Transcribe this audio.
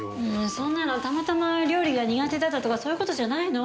そんなのたまたま料理が苦手だったとかそういう事じゃないの？